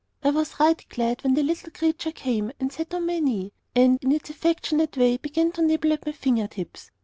I was right glad when the little creature came and sat on my knee, and in its affectionate way began to nibble at my finger tips.